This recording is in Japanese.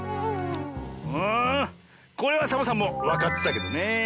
んこれはサボさんもわかってたけどねえ。